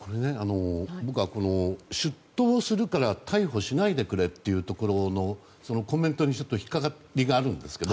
僕は出頭するから逮捕しないでくれというところのコメントに引っかかりがあるんですが。